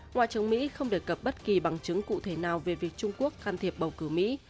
ngoại trưởng mỹ không đề cập bất kỳ bằng chứng cụ thể nào về việc trung quốc can thiệp bầu cử mỹ